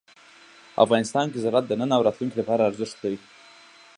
افغانستان کې زراعت د نن او راتلونکي لپاره ارزښت لري.